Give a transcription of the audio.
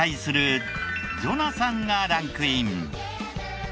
ジョナサンがランクイン。